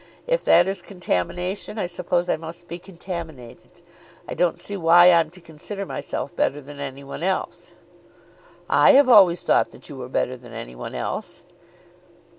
If that is contamination, I suppose I must be contaminated. I don't see why I'm to consider myself better than any one else." "I have always thought that you were better than any one else."